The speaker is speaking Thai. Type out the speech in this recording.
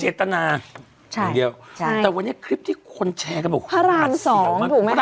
เจตนาแต่วันนี้คลิปที่คนแชร์ก็บอกพระราช๒ถูกไหมคะ